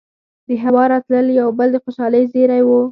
دهوا راتلل يو بل د خوشالۍ زېرے وو